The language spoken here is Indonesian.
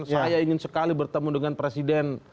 saya ingin sekali bertemu dengan presiden